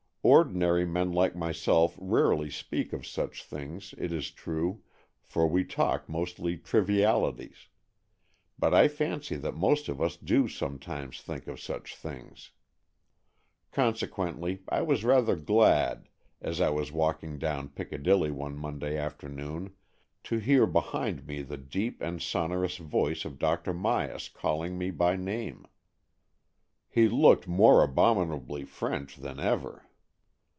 Ordinary men like myself rarely speak of such things, it is true, for we talk mostly trivialities. But I fancy that most of us do sometimes think of such things. Consequently, I was rather glad, as I was walking down Piccadilly one Monday after noon, to hear behind me the deep and sonor ous voice of Dr. Myas calling me by name. He looked more abominably French than ever.